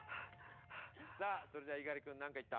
さあそれでは猪狩君何回いった？